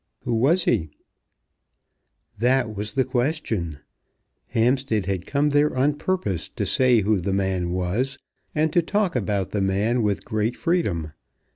"Who was he?" That was the question. Hampstead had come there on purpose to say who the man was, and to talk about the man with great freedom.